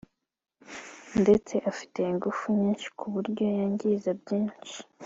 ndetse afite ingufu nyinshi ku buryo yangiza byinshi